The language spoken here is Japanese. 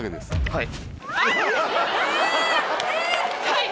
はい。